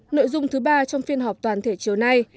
nội dung thứ ba trong phiên họp toàn thể chiều nay